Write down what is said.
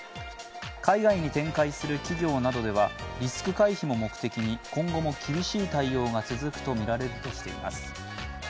海外に展開する企業などではリスク回避も目的に、今後も厳しい対応が続くとみられるとしています。